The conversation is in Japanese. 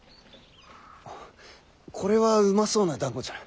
あこれはうまそうなだんごじゃ。